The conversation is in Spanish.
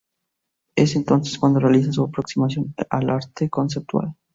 Es entonces cuando realiza su aproximación al Arte Conceptual.